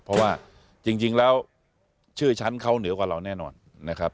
เพราะว่าจริงแล้วชื่อชั้นเขาเหนือกว่าเราแน่นอนนะครับ